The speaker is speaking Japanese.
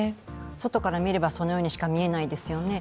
外から見ればそのようにしか見えないですよね。